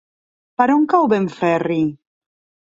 Per on cau Benferri?